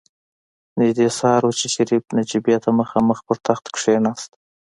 نژدې سهار و چې شريف نجيبې ته مخامخ په تخت کېناست.